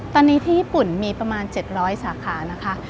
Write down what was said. ตอนนี้ที่ญี่ปุ่นมีประมาณ๗๐๐สาขานะคะ